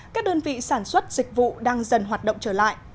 các đơn vị sản xuất dịch vụ đang dần hoạt động trở lại